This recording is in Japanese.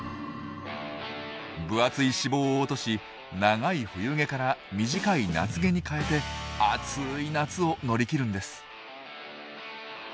分厚い脂肪を落とし長い冬毛から短い夏毛に換えて暑い夏を乗り切るんです。